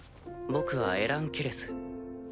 僕はエラン・ケレス。